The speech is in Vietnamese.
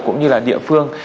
cũng như là địa phương